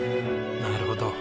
なるほど。